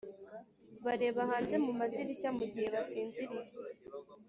bareba hanze mu madirishya mugihe basinziriye